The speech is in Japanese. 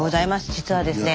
実はですね